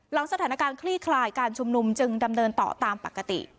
หลังสถานการณ์คลี่คลายการชุมนุมจึงดำเนินต่อตามปกติ